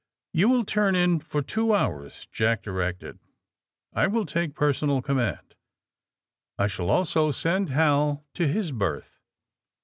"You will turn in for two hours," Jack di rected, "I will take personal command. I shall also send Hal to his berth.